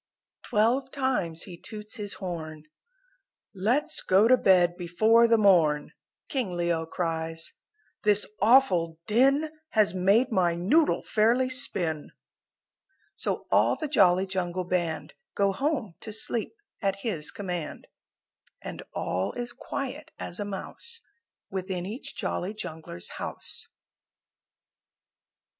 Twelve times he toots his horn "Let's go to bed before the morn," King Leo cries, "This awful din Has made my noodle fairly spin!" So all the Jolly Jungle Band Go home to sleep at his command, And all is quiet as a mouse Within each Jolly Jungler's house.